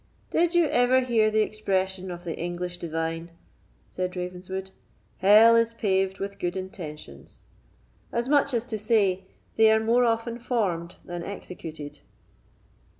"Did you ever hear the expression of the English divine?" said Ravenswood—"'Hell is paved with good intentions,'—as much as to say, they are more often formed than executed."